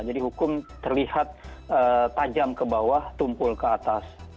jadi hukum terlihat tajam ke bawah tumpul ke atas